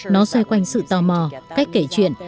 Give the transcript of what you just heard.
nó xoay quanh sự tò mò cách kể chuyện